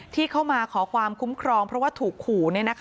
ที่เข้ามาขอความคุ้มครองเพราะว่าถูกขู่